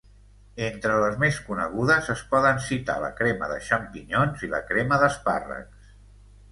Entre les més conegudes, es poden citar la crema de xampinyons i la crema d'espàrrecs.